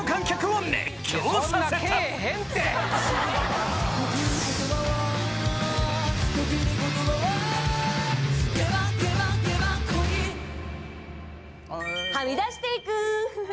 はみ出していく。